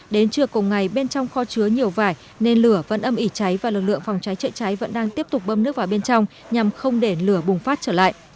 đến trưa cùng ngày bên trong kho chứa nhiều vải nên lửa vẫn âm ỉ cháy và lực lượng phòng cháy chữa cháy vẫn đang tiếp tục bơm nước vào bên trong nhằm không để lửa bùng phát trở lại